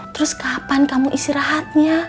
terus kapan kamu istirahatnya